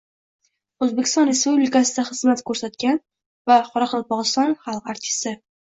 O‘zbekiston Respublikasida xizmat ko‘rsatgan va Qoraqalpog‘iston xalq artisti